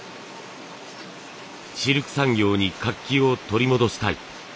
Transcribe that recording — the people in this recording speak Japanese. シルク産業に活気を取り戻したい。